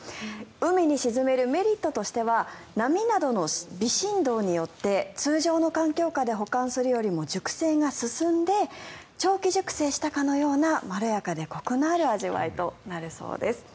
海に沈めるメリットとしては波などの微振動によっては通常の環境下で保管するよりも熟成が進んで長期熟成したかのようなまろやかでコクのある味わいとなるそうです。